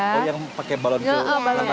oh yang pakai balon gel